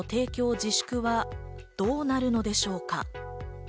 自粛はどうなるのでしょうか？